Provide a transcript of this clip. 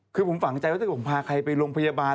คือผมฝังใจว่าหากจะพาใครไปโรงพยาบาล